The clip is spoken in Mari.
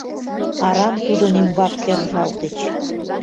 Арам тудын ӱмбак кержалтыч.